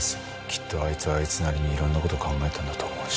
きっとあいつはあいつなりにいろんな事考えたんだと思うし。